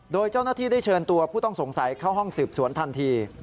โดยเจ้าหน้าที่ได้เชิญตัวผู้ต้องสงสัยเข้าห้องสืบสวนทันที